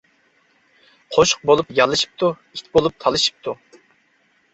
قوشۇق بولۇپ يالىشىپتۇ، ئىت بولۇپ تالىشىپتۇ.